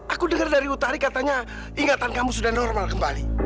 aku dengar dari utari katanya ingatan kamu sudah normal kembali